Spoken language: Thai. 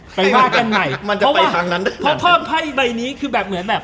ไปว่ากันใหม่เพราะว่าพ่อไพ่ใบนี้คือแบบ